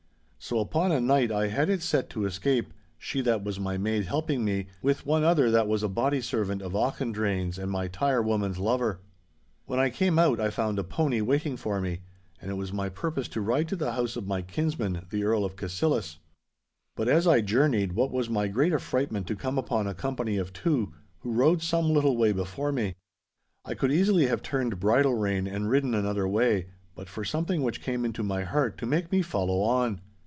So upon a night I had it set to escape, she that was my maid helping me, with one other that was a body servant of Auchendrayne's and my tire woman's lover. 'When I came out I found a pony waiting for me, and it was my purpose to ride to the house of my kinsman, the Earl of Cassillis. But, as I journeyed, what was my great affrightment to come upon a company of two, who rode some little way before me. I could easily have turned bridle rein and ridden another way, but for something which came into my heart to make me follow on.